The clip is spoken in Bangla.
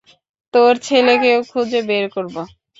তোর ছেলেকেও খুঁজে বের করবো।